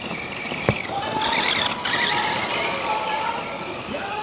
これも素晴らしい飛行だ！